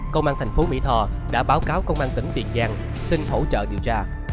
công an thành phố mỹ tho đã báo cáo công an tỉnh tiền giang xin hỗ trợ điều tra